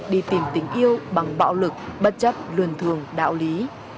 đi tìm tình yêu bằng bạo lực bất chấp luân thường đạo lý